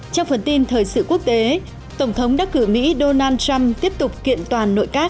trong phần tin thời sự quốc tế tổng thống đắc cử mỹ donald trump tiếp tục kiện toàn nội các